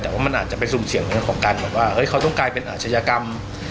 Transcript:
แต่ว่ามันอาจจะไปซุ่มเสี่ยงของการแบบว่าเฮ้ยเขาต้องกลายเป็นอาชญกรรม